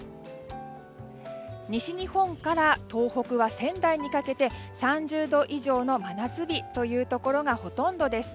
西日本から東北は仙台にかけて３０度以上の真夏日というところがほとんどです。